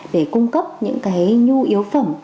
để cung cấp những cái nhu yếu phẩm